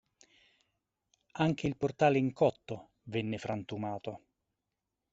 Anche il portale in cotto venne frantumato.